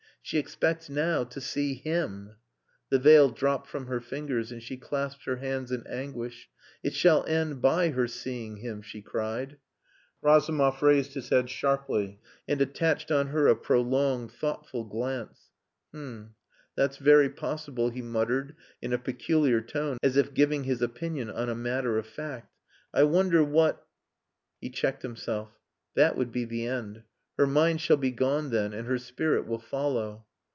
She expects now to see him!" The veil dropped from her fingers and she clasped her hands in anguish. "It shall end by her seeing him," she cried. Razumov raised his head sharply and attached on her a prolonged thoughtful glance. "H'm. That's very possible," he muttered in a peculiar tone, as if giving his opinion on a matter of fact. "I wonder what...." He checked himself. "That would be the end. Her mind shall be gone then, and her spirit will follow."